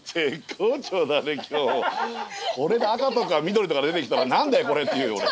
これで赤とか緑とか出てきたら「何だよこれ！」って言うよ俺。